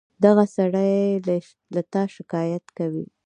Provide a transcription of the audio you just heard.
دغه سړى له تا شکايت کوي.